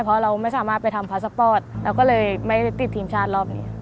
เพราะเราไม่สามารถไปทำพาสปอร์ตเราก็เลยไม่ได้ติดทีมชาติรอบนี้